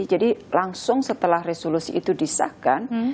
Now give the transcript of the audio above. jadi langsung setelah resolusi itu disahkan